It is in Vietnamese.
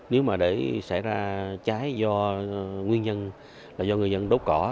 nếu mà để xảy ra cháy do nguyên nhân là do người dân đốt cỏ